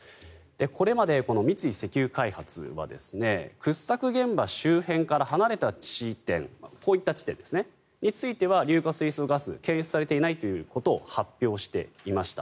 これまで三井石油開発は掘削現場周辺から離れた地点こういった地点については硫化水素ガスが検出されていないということを発表していました。